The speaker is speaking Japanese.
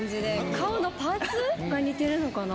顔のパーツが似てるのかな。